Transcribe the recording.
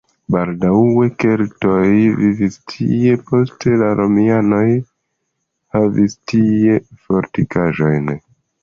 Baldaŭe keltoj vivis tie, poste la romianoj havis tie fortikaĵon.